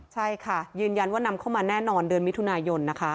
ใช่ค่ะยืนยันว่านำเข้ามาแน่นอนเดือนมิถุนายนนะคะ